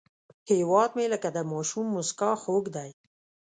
هیواد مې لکه د ماشوم موسکا خوږ دی